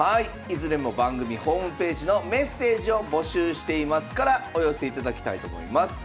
いずれも番組ホームページの「メッセージを募集しています」からお寄せいただきたいと思います。